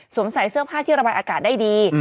ใส่เสื้อผ้าที่ระบายอากาศได้ดี